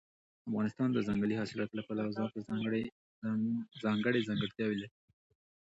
افغانستان د ځنګلي حاصلاتو له پلوه ځانته ځانګړې ځانګړتیاوې لري.